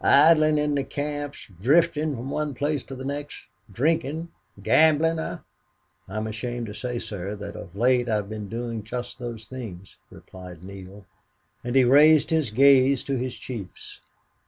"Idling in the camps drifting from one place to the next drinking, gambling, eh?" "I'm ashamed to say, sir, that of late I have been doing just those things," replied Neale, and he raised his gaze to his chief's.